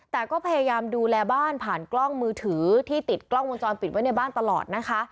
แต่ก็พยายามดูแลบ้านผ่านกล้องมือถือที่ติดกล้องวงจรปิดไว้ในบ้านตลอดนะคะ